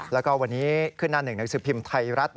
แล้วก็วันนี้ขึ้นหน้าหนึ่งหนังสือพิมพ์ไทยรัฐ